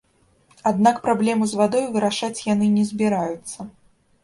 Аднак праблему з вадой вырашаць яны не збіраюцца.